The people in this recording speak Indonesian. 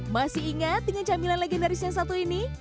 masih ingat dengan camilan legendaris yang satu ini